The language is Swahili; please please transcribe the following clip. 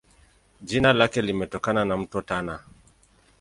Jina lake limetokana na Mto Tana.